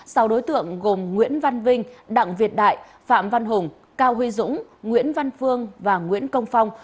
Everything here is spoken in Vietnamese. sáu đối tượng gồm nguyễn văn vinh đặng việt đại phạm văn hùng cao huy dũng nguyễn văn phương và nguyễn công phong